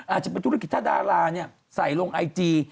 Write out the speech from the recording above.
อาจจะเป็นธุรกิจถ้าดาราใส่ลงไอจี